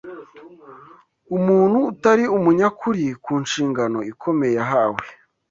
umuntu utari umunyakuri ku nshingano ikomeye yahawe